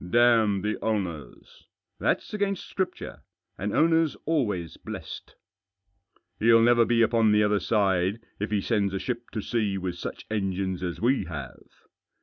" Damn the owners !" "Thafs against Scripture. An owner's always blessed." " He'll never be upon the other side if he sends a ship to sea with such engines as we have."